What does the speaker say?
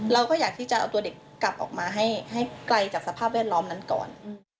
เราก็อยากที่จะเอาตัวเด็กกลับออกมาให้ไกลจากสภาพแวดล้อมนั้นก่อน